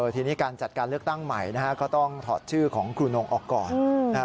ทีนี้การจัดการเลือกตั้งใหม่ก็ต้องถอดชื่อของครูนงออกก่อน